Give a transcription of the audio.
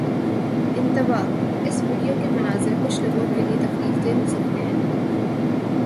انتباہ: اس ویڈیو کے مناظر کچھ لوگوں کے لیے تکلیف دہ ہو سکتے ہیں